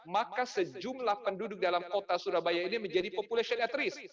maka sejumlah penduduk dalam kota surabaya ini menjadi population at risk